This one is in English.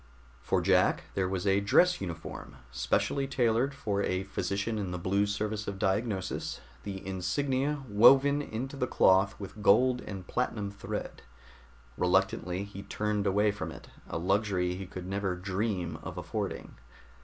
For Jack there was a dress uniform, specially tailored for a physician in the Blue Service of Diagnosis, the insignia woven into the cloth with gold and platinum thread. Reluctantly he turned away from it, a luxury he could never dream of affording.